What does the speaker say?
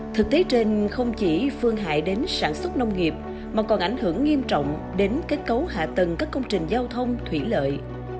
thực tế trên không chỉ phương hại đến sản xuất nông nghiệp mà còn ảnh hưởng nghiêm trọng đến kết cấu hạ tầng các công trình giao thông thủy lợi